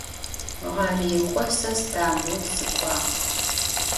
Ğerêk'o se Stambul sık'uağ.